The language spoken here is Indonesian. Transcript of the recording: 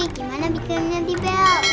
gimana bikinnya tibel